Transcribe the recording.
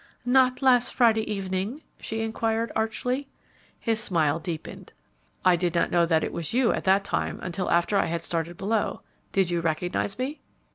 "Not last Friday evening?" she inquired, archly. His smile deepened. "I did not know that it was you at that time until after I had started below. Did you recognize me?"